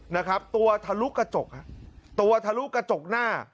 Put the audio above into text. นะครับตัวทะลุกระจกฮะตัวทะลุกระจกหน้า